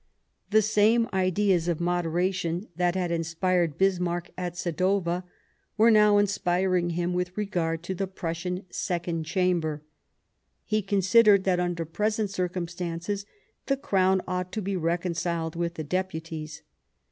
The same ideas of moderation that had inspired 96 Sadowa Bismarck at Sadowa, were now inspiring him with regard to the Prussian Second Chamber ; he con sidered that, under present circumstances, the Crown ought to be reconciled with the Deputies.